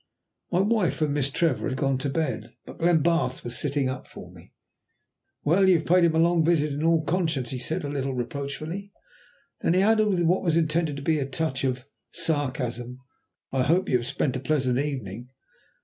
My wife and Miss Trevor had gone to bed, but Glenbarth was sitting up for me. "Well, you have paid him a long visit, in all conscience," he said a little reproachfully. Then he added, with what was intended to be a touch of sarcasm, "I hope you have spent a pleasant evening?"